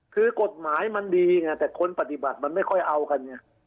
คือกฎหมายมันดีไงแต่คนปฏิบัติมันไม่ค่อยเอากันไง